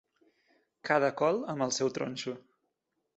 Cada col amb el seu tronxo.